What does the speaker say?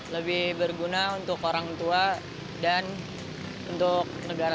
lebih berguna untuk orang tua dan untuk negara